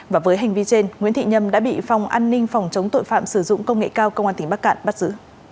và với hành vi trên nguyễn thị nhâm đã bị phòng an ninh phòng chống tội phạm sử dụng công nghệ cao công an tỉnh bắc cạn bắt giữ